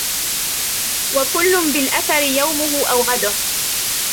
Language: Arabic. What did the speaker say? وَكُلٌّ بِالْأَثَرِ يَوْمُهُ أَوْ غَدُهُ